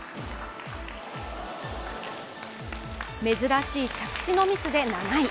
珍しい着地のミスで７位。